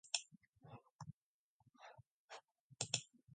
Энэ хүмүүс чинь бүгдээрээ манайхан байна шүү дээ.